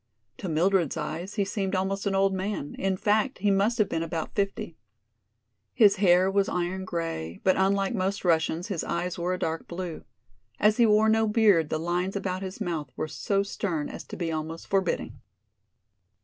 To Mildred's eyes he seemed almost an old man; in fact, he must have been about fifty. His hair was iron gray, but unlike most Russians his eyes were a dark blue. As he wore no beard, the lines about his mouth were so stern as to be almost forbidding.